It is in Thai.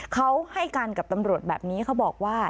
เขาให้การกับตำรวจแบบนี้เขาบอกว่า